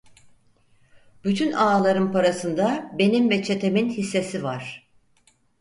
Bütün ağaların parasında benim ve çetemin hissesi var.